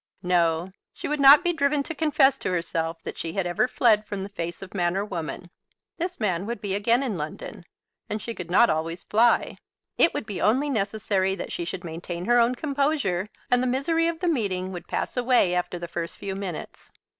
No; she would not be driven to confess to herself that she had ever fled from the face of man or woman. This man would be again in London, and she could not always fly. It would be only necessary that she should maintain her own composure, and the misery of the meeting would pass away after the first few minutes.